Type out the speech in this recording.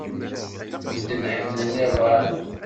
Medden ḥemmlen iḍan.